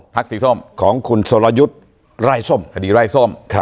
พรรคสถีย์ส้มของคุณสอรยุทธ์ไร่ส้มคดีไร่ส้มครับ